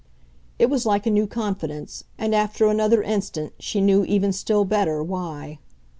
It was like a new confidence, and after another instant she knew even still better why.